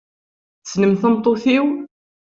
Tessnemt tameṭṭut-iw?